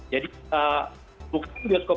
jadi bukaan bioskop